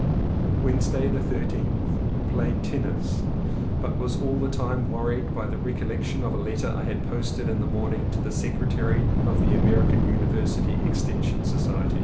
Wednesday the 13th. Played tennis, but was all the time wor ried by the recollection of a letter I had post ed in the morning to the secretary of the American University Extension Society.